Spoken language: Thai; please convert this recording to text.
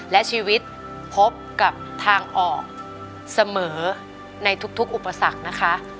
และชีวิตพบกับทางออกเสมอในทุกอุปสรรคนะคะ